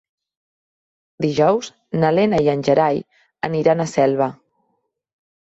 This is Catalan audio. Dijous na Lena i en Gerai aniran a Selva.